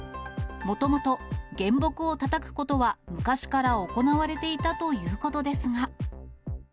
もともと原木をたたくことは昔から行われていたということですが。